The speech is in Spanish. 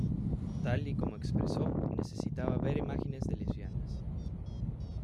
Tal y como expresó: ""necesitaba ver imágenes de lesbianas"".